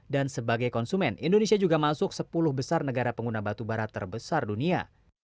dan sebagai konsumen indonesia juga masuk sepuluh besar negara pengguna batu bara terbesar dunia